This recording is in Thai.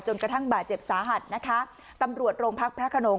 กระทั่งบาดเจ็บสาหัสนะคะตำรวจโรงพักพระขนง